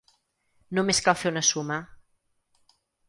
Només cal fer una suma.